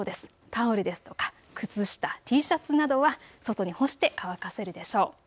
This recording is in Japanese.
タオルですとか靴下、Ｔシャツなどは外に干して乾かせるでしょう。